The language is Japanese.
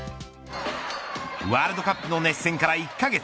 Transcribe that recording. ワールドカップの熱戦から１カ月。